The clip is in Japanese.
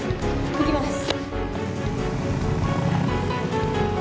いきます。